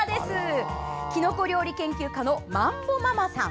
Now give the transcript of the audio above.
きのこ料理研究家のまんぼママさん。